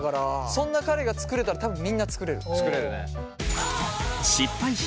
そんな彼が作れたら多分みんな作れる。